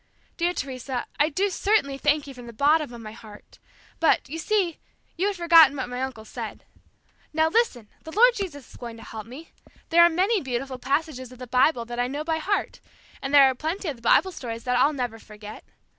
Dear Teresa, I do certainly thank you from the bottom of my heart, but, you see, you had forgotten what uncle said. Now, listen, the Lord Jesus is going to help me! There are many beautiful passages of the Bible that I know by heart, and there are plenty of the Bible stories that I'll never forget.